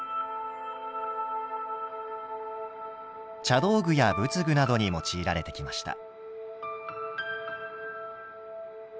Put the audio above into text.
茶道具や仏具などに用いられてきました。